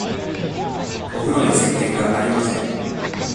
おふろにせっけんがありません。